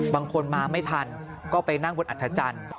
บางคนมาไม่ทันก็ไปนั่งบนอัธจันทร์